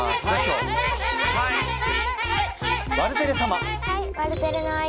はい。